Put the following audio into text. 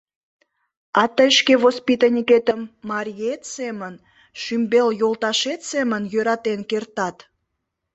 А тый шке «воспитанникетым» мариет семын, шӱмбел йолташет семын йӧратен кертат?